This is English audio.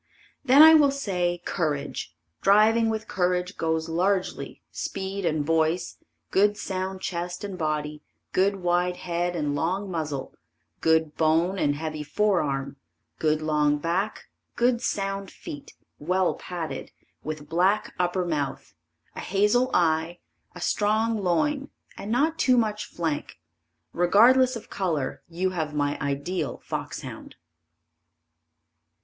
Then I will say courage, driving with courage goes largely, speed and voice, good sound chest and body, good wide head and long muzzle, good bone and heavy forearm, good long back, good sound feet, well padded, with black upper mouth, a hazel eye, a strong loin and not too much flank. Regardless of color you have my ideal fox hound.